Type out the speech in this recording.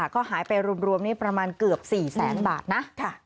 ก็หายไปรวมประมาณเกือบ๔๐๐๐๐๐บาทนะ